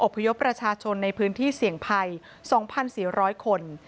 พยพประชาชนในพื้นที่เสี่ยงภัย๒๔๐๐คน